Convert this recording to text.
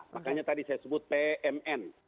makanya tadi saya sebut pmn